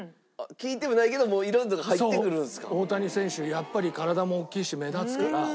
やっぱり体も大きいし目立つから。